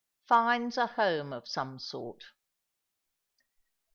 FINDS A HOME OF SOME SORT.